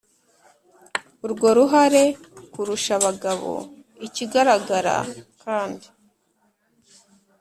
Urwo ruhare kurusha abagabo ikigaragara kandi